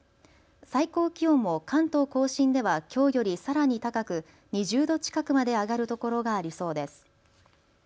最高気温も関東甲信ではきょうよりさらに高く２０度近くまで上がるところがありそうです。